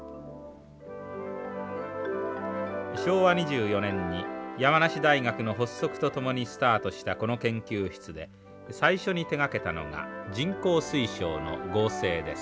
昭和２４年に山梨大学の発足とともにスタートしたこの研究室で最初に手がけたのが人工水晶の合成です。